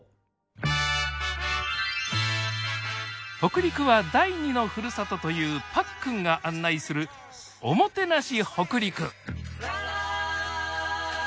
北陸は第二のふるさとというパックンが案内する「おもてなし北陸」。